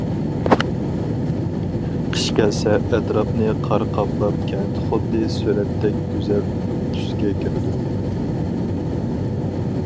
قىش كەلسە ئەتراپنى قار قاپلاپ كەنت خۇددى سۈرەتتەك گۈزەل تۈسكە كىرىدۇ.